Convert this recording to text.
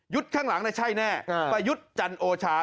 ยุดข้างหลังน่ะใช่แน่ไปยุดจันโอชา